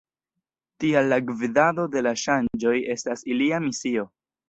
Tial la gvidado de la ŝanĝoj estas ilia misio.